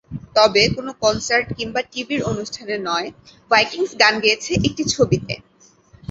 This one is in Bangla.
তবে কোনো কনসার্ট কিংবা টিভির অনুষ্ঠানে নয়, ভাইকিংস গান গেয়েছে একটি ছবিতে।